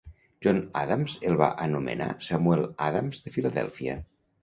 John Adams el va anomenar "Samuel Adams de Filadèlfia".